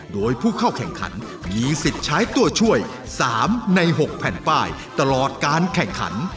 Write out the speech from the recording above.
โดยผู้เข้าแข่งขันมีสิทธิ์ใช้ตัวช่วย๓ใน๖แผ่นป้ายตลอดการแข่งขัน